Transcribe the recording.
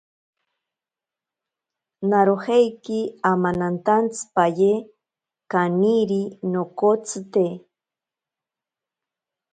Narojeiki amanantantsipaye kaniri nokotsite.